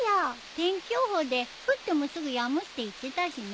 天気予報で「降ってもすぐやむ」って言ってたしね。